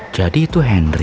jadi itu henry